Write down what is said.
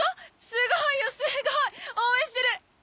すごいよすごい！応援してる！